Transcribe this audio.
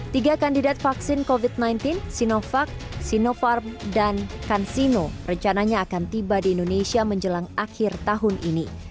tiga kandidat vaksin covid sembilan belas sinovac sinopharm dan cansino rencananya akan tiba di indonesia menjelang akhir tahun ini